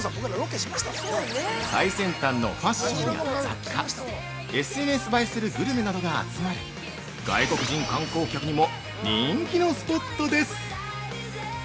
最先端のファッションや雑貨ＳＮＳ映えするグルメなどが集まる外国人観光客にも人気のスポットです。